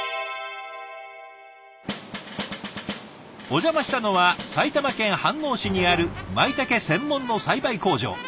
お邪魔したのは埼玉県飯能市にあるまいたけ専門の栽培工場。